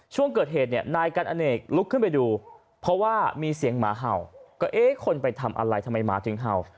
ช่วงเกิดเหตุเนี่ยนายกันอเนกลุกขึ้นไปดูเพราะว่ามีเสียงหมาเห่าก็เอ๊ะคนไปทำอะไรทำไมหมาถึงเห่า